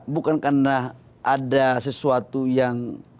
bukan karena ada sesuatu yang